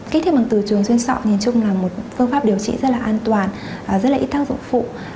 kích thích bằng từ trường xuyên sọ nhìn chung là một phương pháp điều trị rất là an toàn rất là ít tác dụng phụ